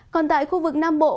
còn tại khu vực nam bộ